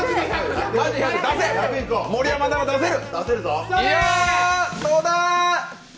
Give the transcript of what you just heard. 盛山なら出せる！